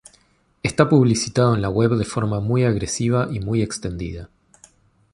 Está publicitado en la Web de forma muy agresiva y muy extendida.